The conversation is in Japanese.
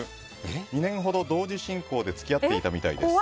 ２年ほど同時進行で付き合っていたみたいです。